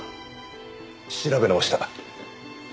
調べ直した。